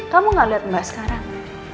kamu gak liat mba sekarang